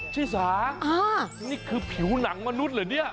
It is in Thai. ชิสานี่คือผิวหนังมนุษย์เหรอเนี่ย